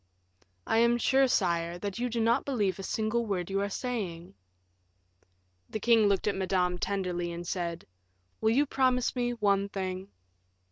"I am sure, sire, that you do not believe a single word you are saying." The king looked at Madame tenderly, and said, "Will you promise me one thing?"